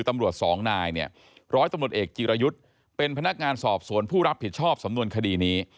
ตำรวจสองนายเนี่ยร้อยตำรวจเอกจิรยุทธ์เป็นพนักงานสอบสวนผู้รับผิดชอบสำนวนคดีนี้